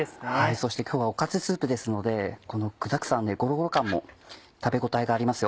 そして今日はおかずスープですので具だくさんでゴロゴロ感も食べ応えがありますよ。